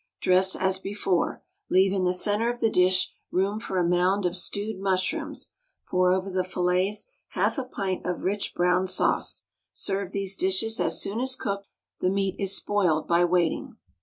_ Dress as before; leave in the centre of the dish room for a mound of stewed mushrooms; pour over the fillets half a pint of rich brown sauce. Serve these dishes as soon as cooked: the meat is spoiled by waiting.